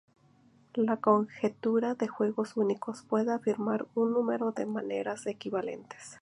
La conjetura de juegos únicos puede afirmar en un número de maneras equivalentes.